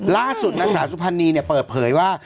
ล่าสุดนางศาสุพรรณีเนี่ยเปิดเผยว่า